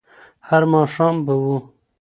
هر ماښام به وو